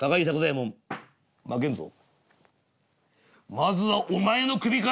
まずはお前の首から」。